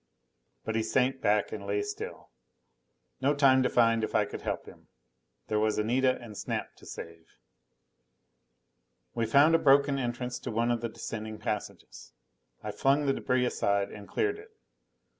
But he sank back and lay still. No time to find if I could help him: there was Anita and Snap to save. We found a broken entrance to one of the descending passages. I flung the debris aside and cleared it.